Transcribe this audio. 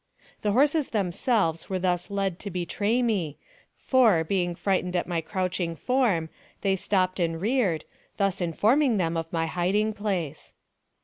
The horses themselves were thus led to betray me, for, being frightened at my crouching form, they stopped and reared, thus informing them of my hiding place.